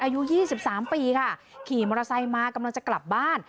อายุ๒๓ปีค่ะขี่มอเตอร์ไซค์มากำลังจะกลับบ้าน